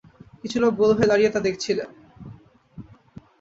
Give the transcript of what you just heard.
কিছু লোক গোল হয়ে দাঁড়িয়ে তা দেখছিলেন।